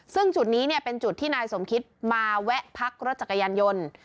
ซึ่งจุดนี้เป็นจุดที่นายสมคิตมาแวะพักรถจักรยานยนต์